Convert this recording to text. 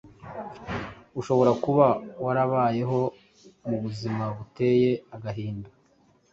Ushobora kuba warabayeho mu buzima buteye agahinda,